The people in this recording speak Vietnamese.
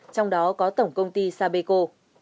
trong đó có tổng công ty sapeco